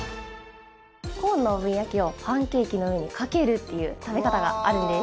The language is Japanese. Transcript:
コーンのオーブン焼きをパンケーキの上にかけるっていう食べ方があるんです。